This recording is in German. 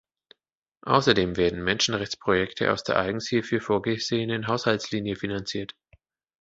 Außerdem werden Menschenrechtsprojekte aus der eigens hierfür vorgesehenen Haushaltslinie finanziert.